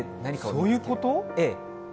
あ、そういうこと？